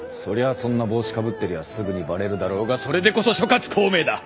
そんな帽子かぶってりゃあすぐにバレるだろうがそれでこそ諸葛孔明だ！